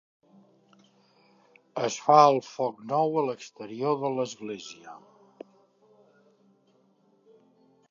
Es fa el foc nou a l'exterior de l'església.